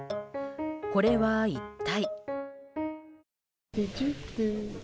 これは一体？